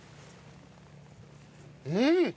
うん！